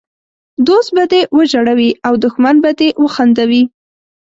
دوست به دې وژړوي او دښمن به دي وخندوي!